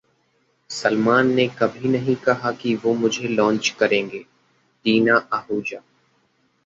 सलमान ने कभी नहीं कहा कि वो मुझे लॉन्च करेंगे: टीना आहूजा